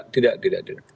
tidak tidak tidak